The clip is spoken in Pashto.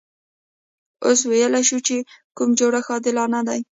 اوس ویلای شو چې کوم جوړښت عادلانه دی.